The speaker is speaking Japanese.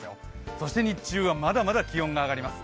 そして日中はまだまだ気温が上がります。